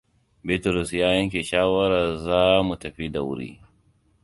Bitrus ya yanke shawarar za mu tafi da wuri.